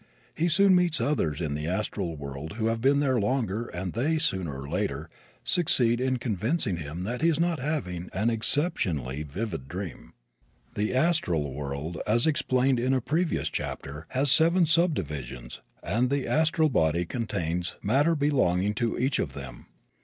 He soon meets others in the astral world who have been there longer and they, sooner or later, succeed in convincing him that he is not having an exceptionally vivid dream. The astral world, as explained in a previous chapter, has seven subdivisions and the astral body contains matter belonging to each of them.